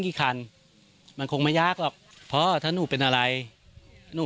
กี่คันมันคงไม่ยากหรอกเพราะถ้าหนูเป็นอะไรหนู